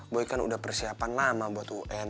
boy kan udah persiapan lama buat un